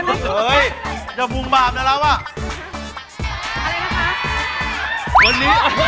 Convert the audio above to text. สงสับผ่อน